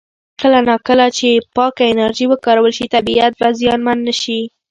کله نا کله چې پاکه انرژي وکارول شي، طبیعت به زیانمن نه شي.